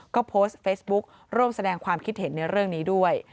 ก็โพสต์เฟซบุ๊คร่วมแสดงความคิดเห็นในเรื่องนี้ด้วย